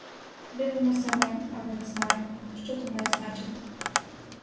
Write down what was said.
Дивимося ми, але не знаємо, що то має значити.